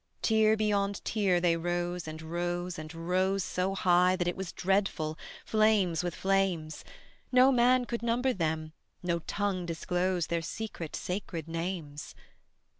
Tier beyond tier they rose and rose and rose So high that it was dreadful, flames with flames: No man could number them, no tongue disclose Their secret sacred names.